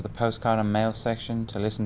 bảo vệ tất cả mọi người trong thành phố hà nội